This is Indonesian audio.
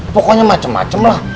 pokoknya macam macam lah